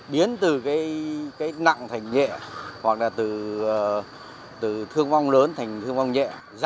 biến từ cái nặng thành nhẹ hoặc là từ thương vong lớn thành thương vong nhẹ